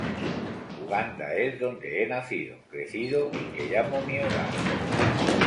Uganda es donde he nacido, crecido y que llamo mi hogar.